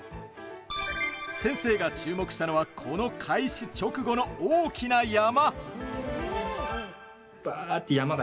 先生が注目したのはこの開始直後の大きな山。